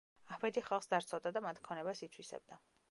აჰმედი ხალხს ძარცვავდა და მათ ქონებას ითვისებდა.